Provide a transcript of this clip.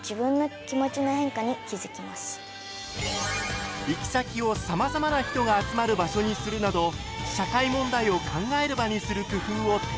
いやいや行き先をさまざまな人が集まる場所にするなど社会問題を考える場にする工夫を提案。